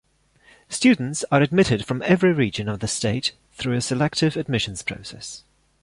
Students are admitted from every region of the state through a selective admissions process.